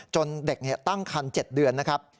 เด็กตั้งคัน๗เดือนนะครับ